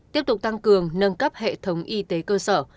tiếp tục tăng cường nâng cấp hệ thống y tế cơ sở